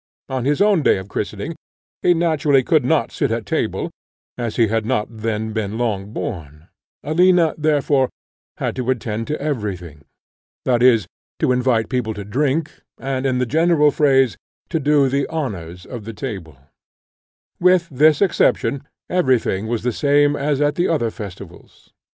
On his own day of christening, he naturally could not sit at table, as he had not then been long born; Alina, therefore, had to attend to every thing, that is, to invite people to drink, and, in the general phrase, to do the honours of the table: with this exception, every thing was the same as at the other festivals.